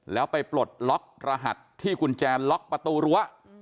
แล้วไปปลดล็อกรหัสที่กุญแจล็อกประตูรั้ว